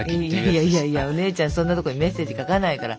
いやいやいやお姉ちゃんそんなとこにメッセージ書かないから。